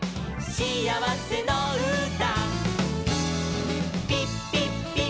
「しあわせのうた」